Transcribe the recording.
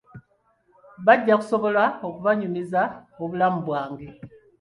Bajja kusobola okubanyumizza obulamu bwange.